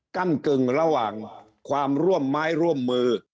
กั้นกึ่งระหว่างความร่วมไม้ร่วมมือ